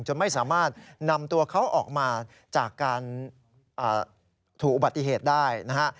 ไม่สามารถนำตัวเขาออกมาจากการถูกอุบัติเหตุได้นะฮะ